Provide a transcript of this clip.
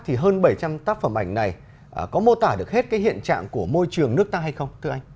thì hơn bảy trăm linh tác phẩm ảnh này có mô tả được hết cái hiện trạng của môi trường nước ta hay không thưa anh